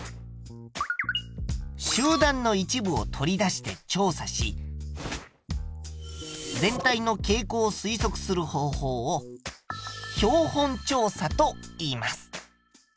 集団の一部を取り出して調査し全体の傾向を推測する方法を標本調査と言います。